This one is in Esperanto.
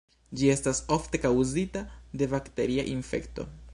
Ĝi estas ofte kaŭzita de bakteria infekto.